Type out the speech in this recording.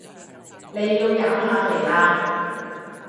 你要減下肥啦